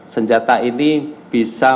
senjata ini bisa